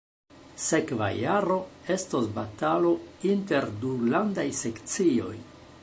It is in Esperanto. Sekva jaro estos batalo inter du landaj sekcioj